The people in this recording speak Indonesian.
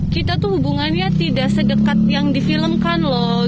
kita tuh hubungannya tidak se dekat yang di film kan loh